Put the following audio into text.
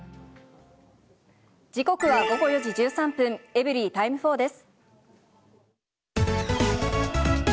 時刻は午後４時１３分、エブリィタイム４です。